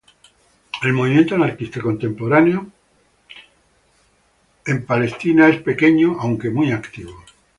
El movimiento anarquista contemporáneo en Israel es pequeño, aunque muy activo.